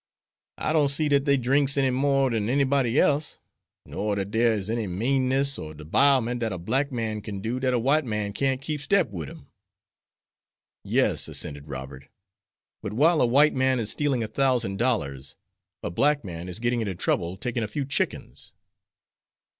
"I don't see dat dey drinks any more dan anybody else, nor dat dere is any meanness or debilment dat a black man kin do dat a white man can't keep step wid him." "Yes," assented Robert, "but while a white man is stealing a thousand dollars, a black man is getting into trouble taking a few chickens."